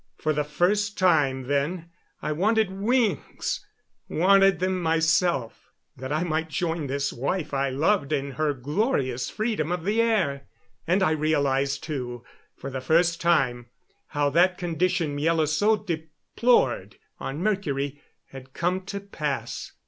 For the first time then I wanted wings wanted them myself that I might join this wife I loved in her glorious freedom of the air. And I realized, too, for the first time, how that condition Miela so deplored on Mercury had come to pass.